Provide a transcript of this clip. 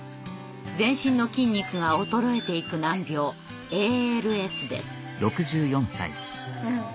全身の筋肉が衰えていく難病ＡＬＳです。